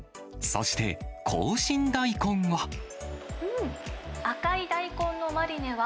そして、紅芯大根は。